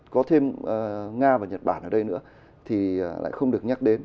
có thêm nga và nhật bản ở đây nữa thì lại không được nhắc đến